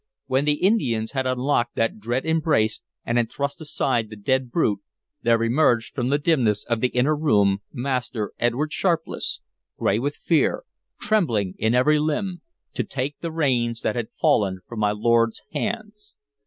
When the Indians had unlocked that dread embrace and had thrust aside the dead brute, there emerged from the dimness of the inner room Master Edward Sharpless, gray with fear, trembling in every limb, to take the reins that had fallen from my lord's hands.